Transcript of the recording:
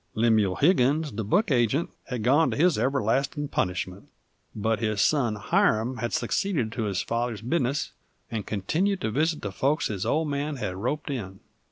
Lemuel Higgins, the book agent, had gone to his everlastin' punishment; but his son, Hiram, had succeeded to his father's business 'nd continued to visit the folks his old man had roped in.